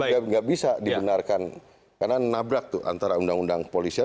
jadi nggak bisa dibenarkan karena menabrak tuh antara undang undang kepolisian